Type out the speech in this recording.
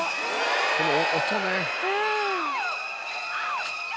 この音ね。